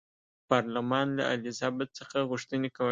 پارلمان له الیزابت څخه غوښتنې کولې.